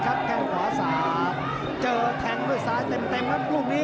แข้งขวาสาเจอแทงด้วยซ้ายเต็มครับลูกนี้